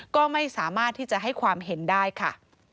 ก็ไม่สามารถที่จะให้ความเห็นได้ค่ะ